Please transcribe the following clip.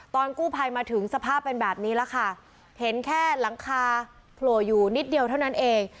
ตอนกู้ภัยมาถึงสภาพเป็นแบบนี้แล้วค่ะเห็นแค่หลังคาโผล่อยู่นิดเดียวเท่านั้นเอง